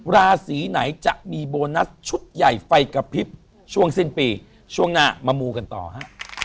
ราศีไหนจะมีโบนัสชุดใหญ่ไฟกระพริบช่วงสิ้นปีช่วงหน้ามามูกันต่อฮะ